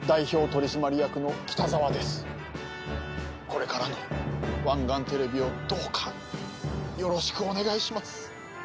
これからの湾岸テレビをどうかよろしくお願いします。